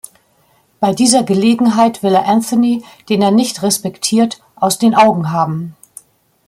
Bei dieser Gelegenheit will er Anthony, den er nicht respektiert, aus den Augen haben.